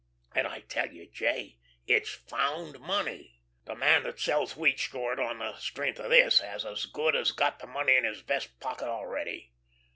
And I tell you, J., it's found money. The man that sells wheat short on the strength of this has as good as got the money in his vest pocket already.